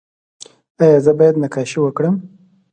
ایا زه باید نقاشي وکړم؟